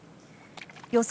予想